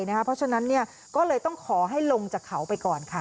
เพราะฉะนั้นก็เลยต้องขอให้ลงจากเขาไปก่อนค่ะ